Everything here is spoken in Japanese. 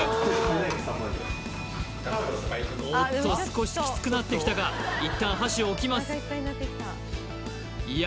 おっと少しきつくなってきたかいったん箸を置きますいや